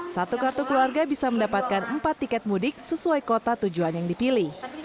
satu kartu keluarga bisa mendapatkan empat tiket mudik sesuai kota tujuan yang dipilih